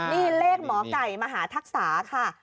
นี่เลขหมอไก่มหาทักษาค่ะ